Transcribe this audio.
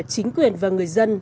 chính quyền và người dân